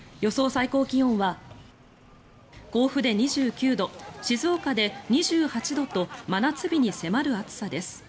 最高気温は甲府で２９度、静岡で２８度と真夏日に迫る暑さです。